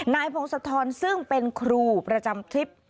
พงศธรซึ่งเป็นครูประจำคลิป